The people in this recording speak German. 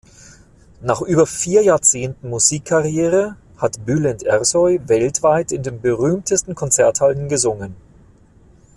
Nach über vier Jahrzehnten Musikkarriere hat Bülent Ersoy weltweit in den berühmtesten Konzerthallen gesungen.